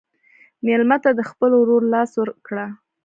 مېلمه ته د خپل ورور لاس ورکړه.